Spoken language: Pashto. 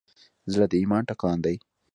زړه د ایمان ټکان دی.